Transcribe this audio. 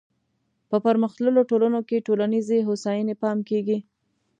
په پرمختللو ټولنو کې ټولنیزې هوساینې پام کیږي.